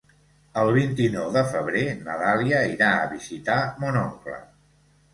El vint-i-nou de febrer na Dàlia irà a visitar mon oncle.